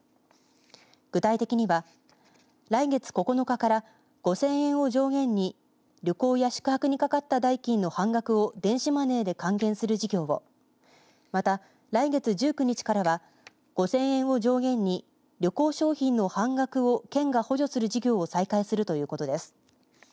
具体的には来月９日から５０００円を上限に旅行や宿泊にかかった代金の半額を電子マネーで還元する事業を、また来月１９日からは５０００円を上限に旅行商品の半額を県が補助する事業を再開するということです。